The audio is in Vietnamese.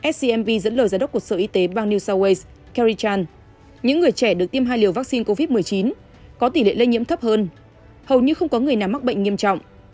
scmv dẫn lời giám đốc của sở y tế bang new south wales kerrychan những người trẻ được tiêm hai liều vaccine covid một mươi chín có tỷ lệ lây nhiễm thấp hơn hầu như không có người nào mắc bệnh nghiêm trọng